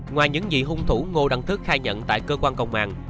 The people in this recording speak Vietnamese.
ngoài những gì hung thủ ngô đăng thức khai nhận tại cơ quan công an